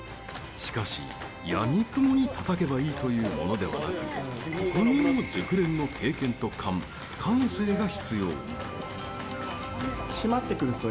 しかし、やみくもにたたけばいいというものではなくここにも熟練の経験と勘感性が必要。